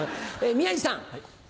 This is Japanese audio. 宮治さん。